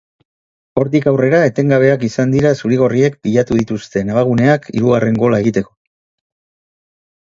Hortik aurrera, etengabeak izan dira zuri-gorriek pilatu dituzten abaguneak hirugarren gola egiteko.